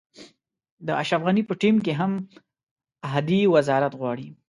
د اشرف غني په ټیم کې هم احدي وزارت غواړي.